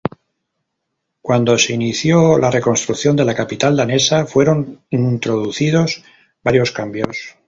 Cuando se inició la reconstrucción de la capital danesa, fueron introducidos varios cambios.